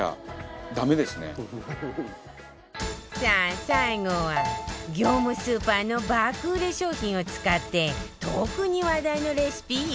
さあ最後は業務スーパーの爆売れ商品を使って特に話題のレシピいくわよ